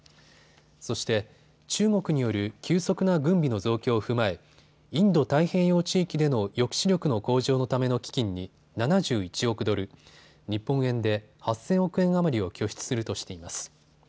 そして中国による急速な軍備の増強を踏まえインド太平洋地域での抑止力の向上のための基金に７１億ドル、日本円で８０００億円余りを拠出するとしています。